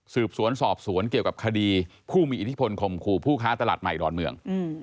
สืบสวนสอบสวนเกี่ยวกับคดีผู้มีอิทธิพลข่มขู่ผู้ค้าตลาดใหม่ดอนเมือง